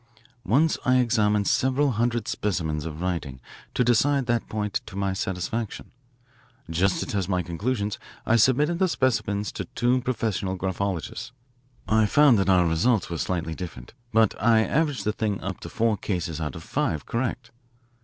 "Once I examined several hundred specimens of writing to decide that point to my satisfaction. Just to test my conclusions I submitted the specimens to two professional graphologists. I found that our results were slightly different, but I averaged the thing up to four cases out of five correct.